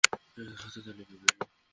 এক হাতে তালি বাজে না।